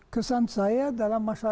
kesan saya dalam masyarakat